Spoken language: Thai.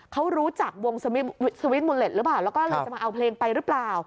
เขารู้จับวงมุนเล็ดสวิทจ์เอาความรู้จักวงไฟนชีวมีดหน้าไปหรือเปล่า